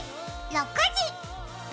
６時！